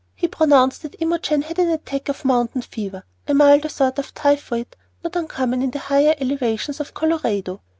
He pronounced that Imogen had an attack of "mountain fever," a milder sort of typhoid not uncommon in the higher elevations of Colorado.